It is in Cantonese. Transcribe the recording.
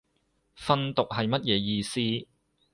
訓讀係乜嘢意思